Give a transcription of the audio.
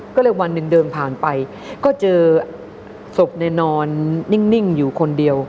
ก็เลยวันหนึ่งเดินผ่านไปก็เจอศพในนอนนิ่งอยู่คนเดียว